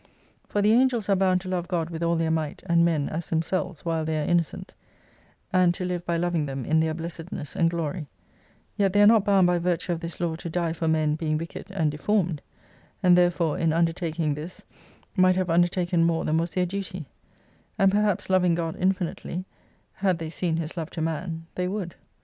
For the Angels are bound to love God with all their might, and men as themselves, while they are innocent : and to live by loving them in their blessedness and glory ; yet they are not bound by virtue of this law to die for men being wicked and deformed ; and therefore in undertaking this might have iindertaken more than was their duty : and perhaps loving God infinitely, (had they seen His love to man) they would.